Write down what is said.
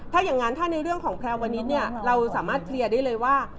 ถ้าอย่างนั้นถ้าในเรื่องของแพรวนิดเนี่ยเราสามารถเคลียร์ได้เลยว่า